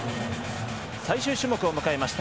最終種目を迎えました。